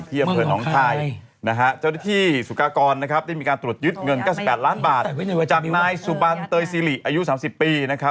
นะฮะเป็นชาวสวปลาวลาวนะครับ